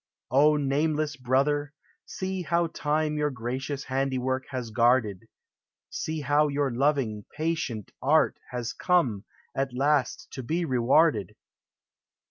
O nameless brother! see how. Time Your gracious handiwork has guarded: Sc how your loving, patient art Has conic, at last, to be rewarded!